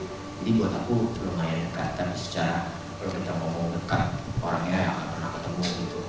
jadi buat aku lumayan dekat tapi secara kalau kita ngomong dekat orangnya akan pernah ketemu